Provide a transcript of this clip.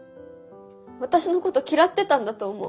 私のこと嫌ってたんだと思う。